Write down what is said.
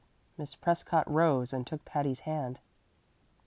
Miss Prescott rose and took Patty's hand.